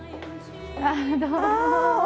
ああどうも。